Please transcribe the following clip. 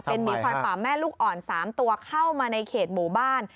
หมีควายป่าแม่ลูกอ่อน๓ตัวเข้ามาในเขตหมู่บ้าน